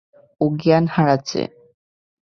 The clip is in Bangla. ও জ্ঞান হারাচ্ছে।